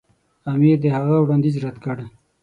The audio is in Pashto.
امیر د هغه وړاندیز رد کړ.